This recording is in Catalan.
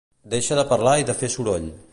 Deixa de parlar i de fer soroll.